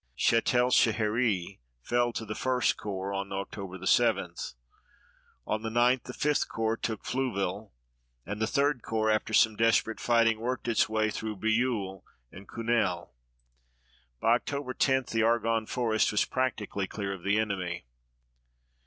Châtel Chehery fell to the First Corps on October 7. On the 9th the Fifth Corps took Fleville, and the Third Corps, after some desperate fighting, worked its way through Brieulles and Cunel. By October 10 the Argonne Forest was practically clear of the enemy.